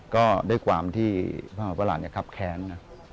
ก็ด้วยความที่พระมหาอุปลาศเนี่ยคับแค้นนะ